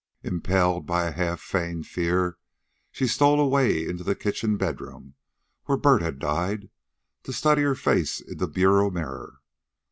Impelled by a half feigned fear, she stole away into the kitchen bedroom where Bert had died, to study her face in the bureau mirror.